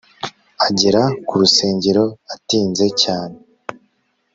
agera ku rusengero atinze cyane